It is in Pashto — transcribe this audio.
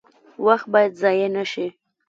وخت باید ضایع نشي